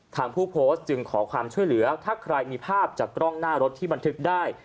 ผู้โพสต์จึงขอความช่วยเหลือถ้าใครมีภาพจากกล้องหน้ารถที่บันทึกได้